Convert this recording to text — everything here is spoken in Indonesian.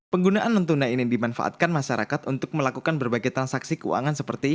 penggunaan non tunai ini dimanfaatkan masyarakat untuk melakukan berbagai transaksi keuangan seperti